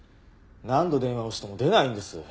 何度電話をしても出ないんです。